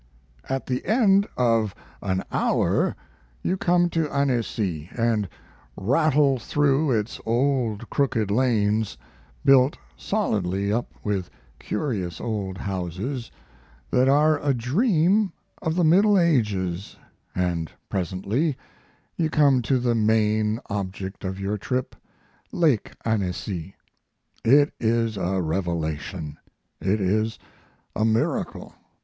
At the end of an hour you come to Annecy and rattle through its old crooked lanes, built solidly up with curious old houses that are a dream of the Middle Ages, and presently you come to the main object of your trip Lake Annecy. It is a revelation. It is a miracle.